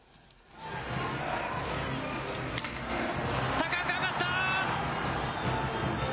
高く上がった。